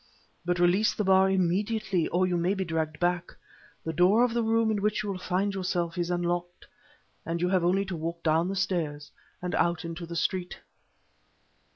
But release the bar immediately, or you may be dragged back. The door of the room in which you will find yourself is unlocked, and you have only to walk down the stairs and out into the street."